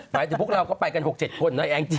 หมายถึงพวกเราก็ไปกันหกเจ็ดคน